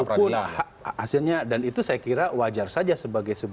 walaupun hasilnya dan itu saya kira wajar saja sebagai sebuah